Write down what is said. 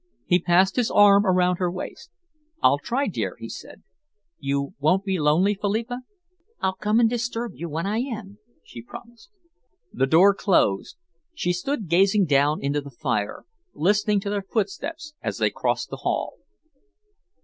He passed his arm around her waist. "I'll try, dear," he said. "You won't be lonely, Philippa?" "I'll come and disturb you when I am," she promised. The door closed. She stood gazing down into the fire, listening to their footsteps as they crossed the hall.